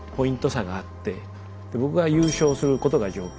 で僕が優勝することが条件。